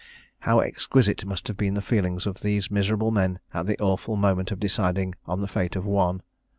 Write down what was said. How exquisite must have been the feelings of these miserable men at the awful moment of deciding on the fate of one!